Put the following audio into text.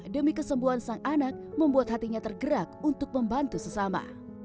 demi kesembuhan sang anak membuat hatinya tergerak untuk membantu sesama